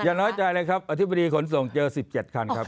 น้อยใจเลยครับอธิบดีขนส่งเจอ๑๗คันครับ